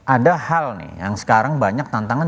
ada hal nih yang sekarang banyak tantangan